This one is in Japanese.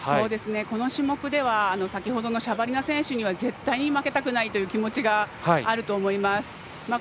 この種目では先ほどのシャバリナ選手には絶対に負けたくないという気持ちがあると思います。